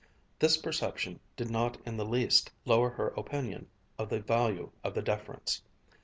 This perception did not in the least lower her opinion of the value of the deference.